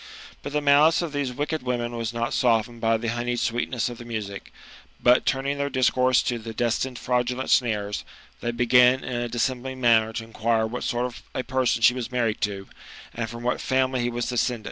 But the malice of these wicked women was not softened by the honeyed sweetness of the music ; but turning their discourse to the destined fraudulent snares, they begin in a dissembling manner to inquire what sort of a person she was married to, and from what family he was descended.